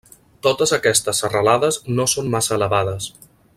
Totes aquestes serralades no són massa elevades.